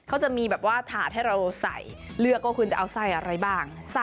เขาจะมีแบบว่าถาดให้เราใส่เลือกก็คุณจะเอาไส้อะไรบ้าง